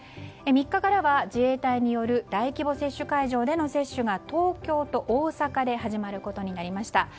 ３日からは自衛隊による大規模接種会場での接種が東京と大阪で始まることになりました。